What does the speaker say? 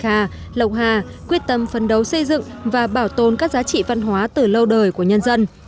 hà lộc hà quyết tâm phấn đấu xây dựng và bảo tồn các giá trị văn hóa từ lâu đời của nhân dân